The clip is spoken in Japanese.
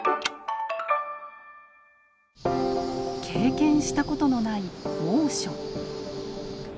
経験したことのない猛暑。